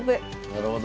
なるほど。